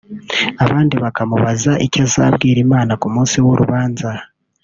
abandi bakamubaza ‘icyo azabwira Imana ku munsi w’urubanza’